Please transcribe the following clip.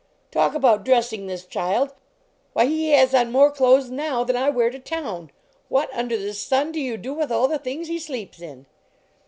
Talk about dressing this child ! Why, he has on more clothes now than I wear to town ! What under the sun do you do with all the things he sleeps in